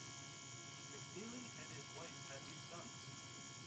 McNeile and his wife had two sons.